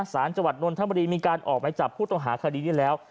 สารจัวรรณธรรมดีมีการออกไหมจับผู้ต้องหาคดีนี้แล้ว